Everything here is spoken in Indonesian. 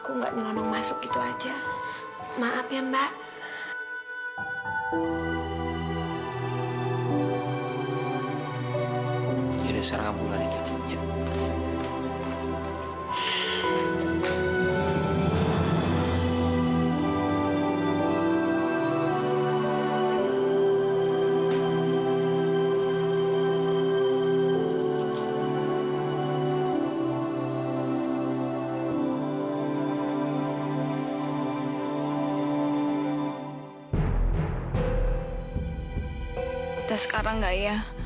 udah sekarang gak iya